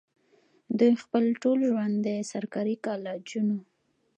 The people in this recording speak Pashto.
دوي خپل ټول ژوند د سرکاري کالجونو